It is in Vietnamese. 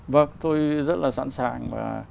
vâng tôi rất là sẵn sàng